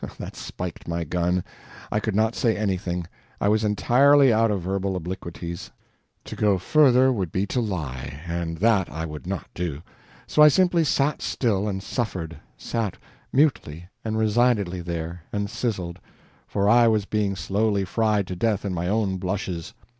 That spiked my gun. I could not say anything. I was entirely out of verbal obliquities; to go further would be to lie, and that I would not do; so I simply sat still and suffered sat mutely and resignedly there, and sizzled for I was being slowly fried to death in my own blushes.